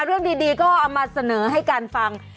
เรื่องดีก็เอามาเสนอให้กันฟัง